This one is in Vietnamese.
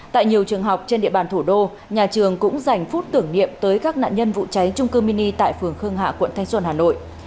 tại nhiều trường học trên địa bàn thủ đô nhà trường cũng dành phút tưởng niệm tới các nạn nhân vụ cháy trung cư mini tại phường khương hạ quận thanh xuân hà nội